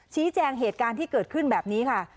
ชี้แจงเหตุการณ์ที่เกิดขึ้นแบบนี้ค่ะ